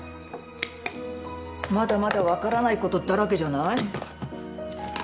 まだまだわからないことだらけじゃない？